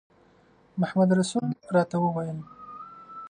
محمدرسول راته وویل.